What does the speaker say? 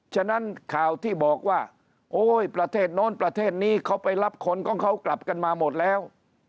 ฉะนั้นข่าวที่บอกว่าโอ้ยประเทศโน้นประเทศนี้เขาไปรับคนของเขากลับกันมาหมดแล้ว